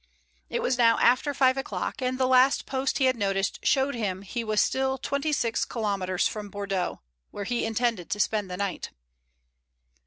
It was now after five o'clock, and the last post he had noticed showed him he was still twenty six kilometers from Bordeaux, where he intended to spend the night.